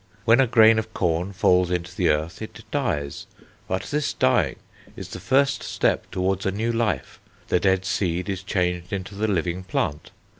When a grain of corn falls into the earth it dies, but this dying is the first step towards a new life; the dead seed is changed into the living plant.